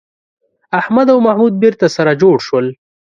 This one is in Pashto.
احمد او محمود بېرته سره جوړ شول